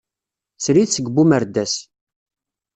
Srid seg Bumerdas.